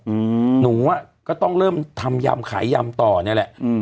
อืมหนูอ่ะก็ต้องเริ่มทำยำขายยำต่อเนี้ยแหละอืม